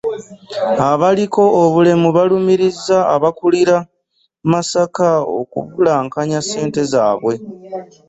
Abaliko obulemu balumiriza abakulira Masaka okubulankanya ssente zaabwe